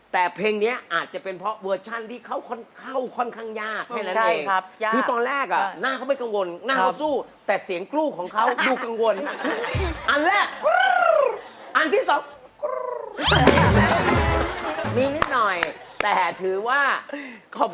แต่ผมก็เชื่อมั่นให้ศักยภาพของเวียนจ่าครับ